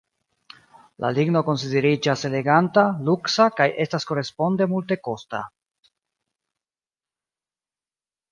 La ligno konsideriĝas eleganta, luksa kaj estas koresponde multekosta.